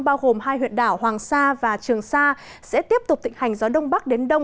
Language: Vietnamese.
bao gồm hai huyện đảo hoàng sa và trường sa sẽ tiếp tục tịnh hành gió đông bắc đến đông